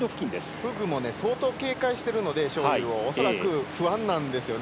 フグも相当警戒してるので章勇を恐らく不安なんですよね。